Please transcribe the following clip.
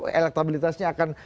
atau elektabilitasnya akan